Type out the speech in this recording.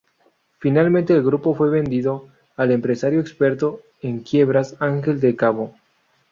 Finalmente el grupo fue vendido al empresario experto en quiebras Ángel de Cabo.